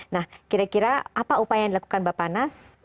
nah kira kira apa upaya yang dilakukan bapak nas